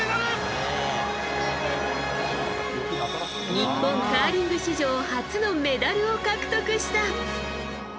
日本カーリング史上初のメダルを獲得した。